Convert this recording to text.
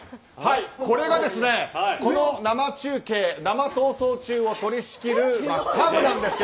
これがこの生中継生「逃走中」を取り仕切るサブです。